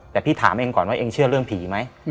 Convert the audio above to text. แต่พี่ถามเองก่อนว่าเองเชื่อเรื่องผีไหม